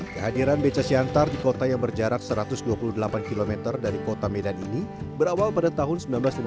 kehadiran beca siantar di kota yang berjarak satu ratus dua puluh delapan km dari kota medan ini berawal pada tahun seribu sembilan ratus lima puluh